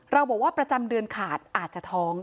เราบอกว่าประจำเดือนขาดอาจจะท้อง